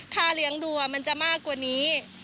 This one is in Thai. ถ้าเลี้ยงดัวจะมากกว่านี้